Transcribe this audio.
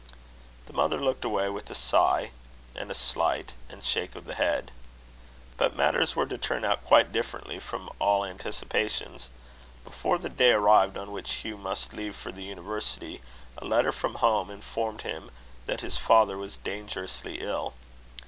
The mother looked away with a sigh and a slight, sad shake of the head. But matters were to turn out quite different from all anticipations. Before the day arrived on which Hugh must leave for the university, a letter from home informed him that his father was dangerously ill.